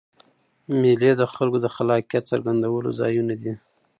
مېلې د خلکو د خلاقیت څرګندولو ځایونه دي.